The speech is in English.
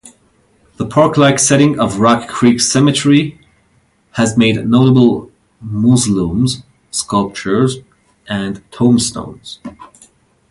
The park-like setting of Rock Creek Cemetery has many notable mausoleums, sculptures, and tombstones.